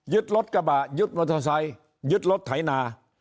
รถกระบะยึดมอเตอร์ไซค์ยึดรถไถนา